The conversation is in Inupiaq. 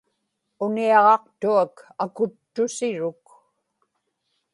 uniaġaqtuak akuttusiruk